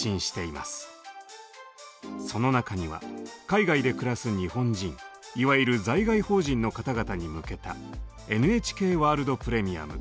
その中には海外で暮らす日本人いわゆる在外邦人の方々に向けた「ＮＨＫワールド・プレミアム」